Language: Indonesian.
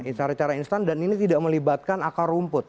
secara cara instan dan ini tidak melibatkan akar rumput